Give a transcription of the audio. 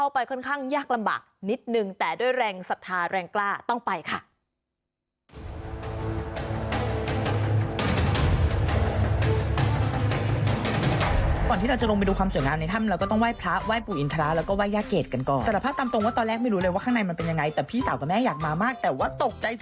ภาพที่เหมาะกันเท่านั้นจ้ะ